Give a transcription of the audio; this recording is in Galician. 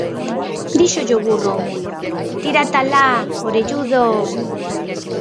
Díxolle o burro ao mulo: "Tírate alá, orelludo!".